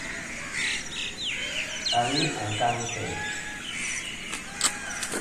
A ghɨ ankaŋ teyn.